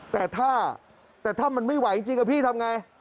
แต่ถ้ามันไม่ไหวจริงกับพี่ทำอย่างไร